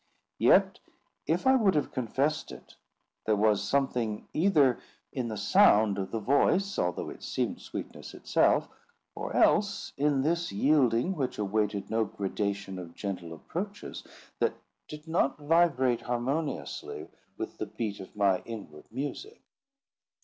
Yet, if I would have confessed it, there was something either in the sound of the voice, although it seemed sweetness itself, or else in this yielding which awaited no gradation of gentle approaches, that did not vibrate harmoniously with the beat of my inward music.